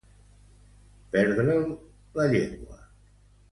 Perdre'l la llengua.